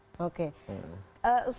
kalau abah menganggap seperti itu